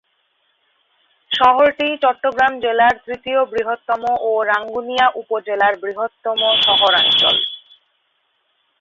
শহরটি চট্টগ্রাম জেলার তৃতীয় বৃহত্তম ও রাঙ্গুনিয়া উপজেলার বৃহত্তম শহরাঞ্চল।